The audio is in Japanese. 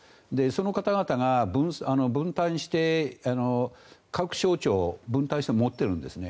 その方々が分担して各省庁を分担して持っているんです。